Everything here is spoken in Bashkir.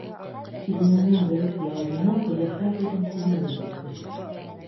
Килененең дөрөҫ яуабына Зөләйха әбейҙең күңеле бөттө.